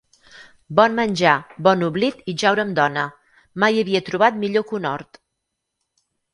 Bon menjar, bon oblit i jaure amb dona: mai havia trobat millor conhort.